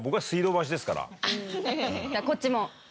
こっちも。